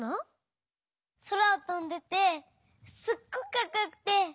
そらをとんでてすっごくかっこよくて。